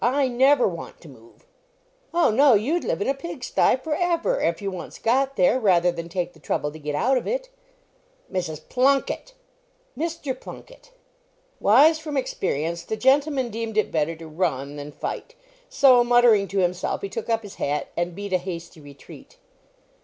I never want to move." "Oh, no, you'd live in a pigstye for ever, if you once got there, rather than take the trouble to get out of it." "Mrs. Plunket!" "Mr. Plunket!" Wise from experience, the gentleman deemed it better to run than fight. So, muttering to himself, he took up his hat and beat a hasty retreat.